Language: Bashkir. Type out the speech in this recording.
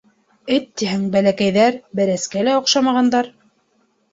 Эт тиһәң, бәләкәйҙәр, бәрәскә лә оҡшамағандар.